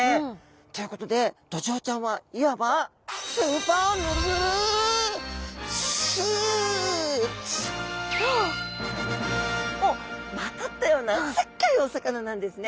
ということでドジョウちゃんはいわばをまとったようなすっギョいお魚なんですね。